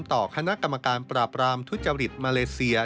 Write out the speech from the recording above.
ต่อคณะกรรมการปราบรามทุจริตมาเลเซีย